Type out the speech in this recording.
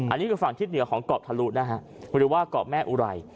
อันนี้คือฝั่งทิศเหนือของเกาะทะลุนะฮะหรือว่าเกาะแม่อุไร